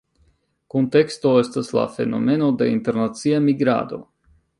Kunteksto estas la fenomeno de internacia migrado.